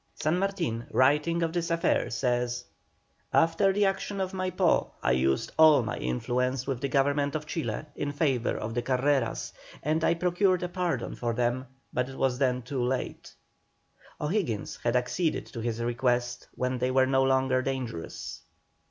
San Martin, writing of this affair, says: "After the action of Maipó, I used all my influence with the Government of Chile in favour of the Carreras, and I procured a pardon for them, but it was then too late." O'Higgins had acceded to his request when they were no longer dangerous.